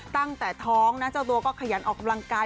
ตั้งแต่ท้องนะเจ้าตัวก็ขยันออกกำลังกาย